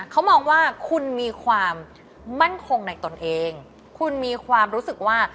เขามองว่าคุณมีความมั่นคงในตนเองคุณมีความรู้สึกว่า